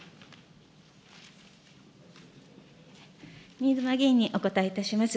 新妻委員にお答えいたします。